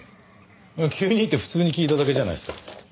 「急に」って普通に聞いただけじゃないですか。